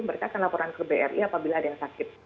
mereka akan laporan ke bri apabila ada yang sakit